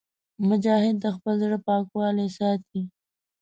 مجاهد د خپل زړه پاکوالی ساتي.